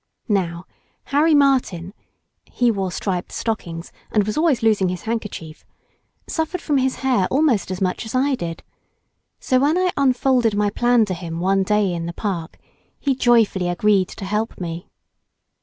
Now Harry Martin (he wore striped stockings and was always losing his handkerchief) suffered from his hair almost as much as I did; so when I unfolded my plan to him one day in the park, he joyfully agreed to help me.